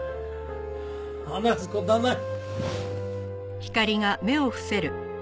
話す事はない。